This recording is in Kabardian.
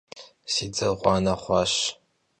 Si dzer ğuane xhuaş.